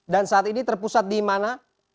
dan saat ini terpusat di mana